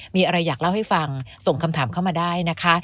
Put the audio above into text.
มีอะไรอยากเล่าให้ฟังส่งคำถามเข้ามาได้นะคะ